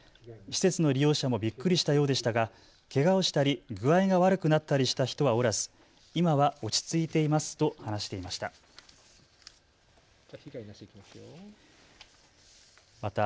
施設の利用者もびっくりしたようでしたが、けがをしたり具合が悪くなったりした人はおらず今は落ち着いていますと話していました。